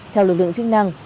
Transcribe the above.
theo lực lượng chức năng